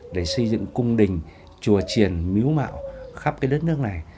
để xây dựng cung đình chùa triền miếu mạo khắp đất nước này